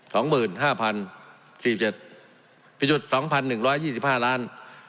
สองหมื่นห้าพันสี่เจ็ดประยุทธ์สองพันหนึ่งร้อยยี่สิบห้าล้าน